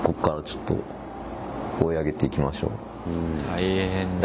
大変だ。